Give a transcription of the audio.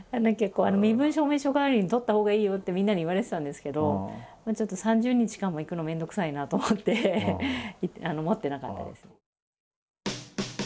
身分証明書代わりに取ったほうがいいよってみんなに言われてたんですけどちょっと３０日間も行くの面倒くさいなと思って持ってなかったです。